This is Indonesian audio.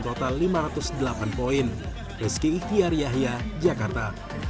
total lima ratus delapan poin rezeki iqtyar yahya jakarta